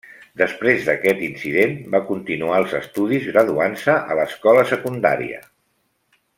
Després d'aquest incident va continuar els estudis, graduant-se a l'escola secundària.